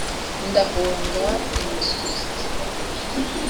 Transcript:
ndahunga imisuz i